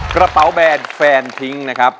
กระเป๋าแบรนด์แฟนทิ้งนะครับ